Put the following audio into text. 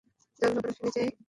জানল, কারণ সে নিজেই ফেলেছে।